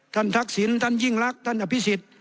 ทักษิณท่านยิ่งรักท่านอภิษฎ